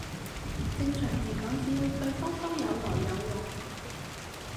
正常嚟講只要對方都有來有往